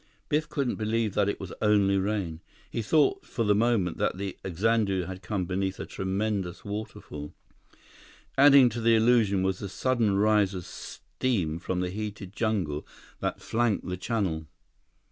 Biff couldn't believe that it was only rain. He thought for the moment that the Xanadu had come beneath a tremendous waterfall. Adding to the illusion was the sudden rise of steam from the heated jungle that flanked the channel.